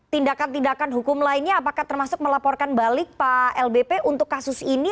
tindakan tindakan hukum lainnya apakah termasuk melaporkan balik pak lbp untuk kasus ini